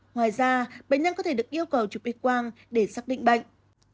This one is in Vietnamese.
ngoài ra bệnh nhân có thể được yêu cầu chụp x quang để xác định bệnh